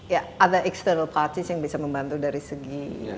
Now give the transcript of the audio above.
ya ada exteril parties yang bisa membantu dari segi